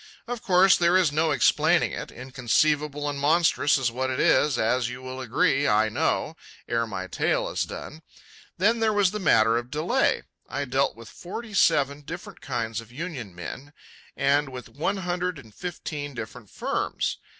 Of course there is no explaining it, inconceivable and monstrous is what it is, as you will agree, I know, ere my tale is done. Then there was the matter of delay. I dealt with forty seven different kinds of union men and with one hundred and fifteen different firms.